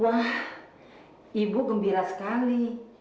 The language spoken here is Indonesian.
wah ibu gembira sekali